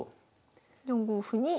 ４五歩に。